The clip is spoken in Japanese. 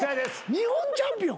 日本チャンピオン！？